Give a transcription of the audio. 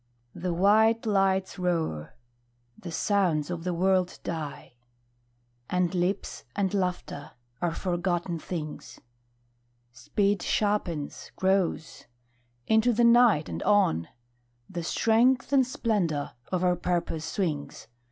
The white lights roar. The sounds of the world die. And lips and laughter are forgotten things. Speed sharpens; grows. Into the night, and on, The strength and splendour of our purpose swings.